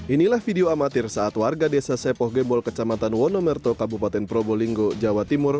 inilah video amatir saat warga desa sepoh gembol kecamatan wonomerto kabupaten probolinggo jawa timur